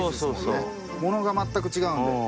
ものが全く違うんで。